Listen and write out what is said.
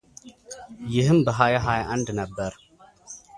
ይህም በ ሀያ ሀያ አንድ ነበር።